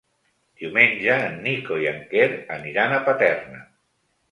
Diumenge en Nico i en Quer aniran a Paterna.